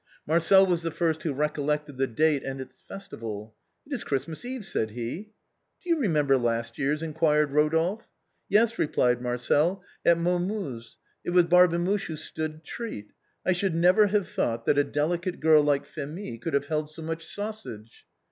Marcel was the first who recollected the date and its festival. " It is Christmas Eve," said he. " Do you remember last year's ?" inquired Rodolphe. " Yes," replied Marcel ;" at Momus's. It was Barbe muche who stood treat. I should never have thought that a delicate girl like Phémie could have held so much sau sage."